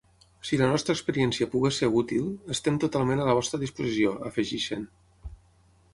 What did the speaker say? Si la nostra experiència pogués ser útil, estem totalment a la vostra disposició, afegeixen.